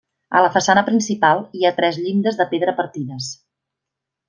A la façana principal hi ha tres llindes de pedra partides.